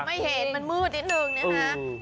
ไม่เห็นมามืดนิดหนึ่งนี่ฮะ